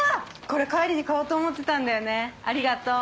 これ帰りに買おうと思ってたんだよねありがとう。